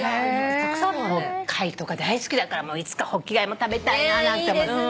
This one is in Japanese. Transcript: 貝とか大好きだからいつかホッキ貝も食べたいななんて。